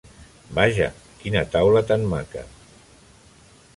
Vaja, quina taula tan maca!